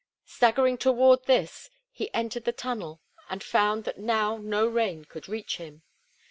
Staggering toward this, he entered the tunnel and found that now no rain could reach him.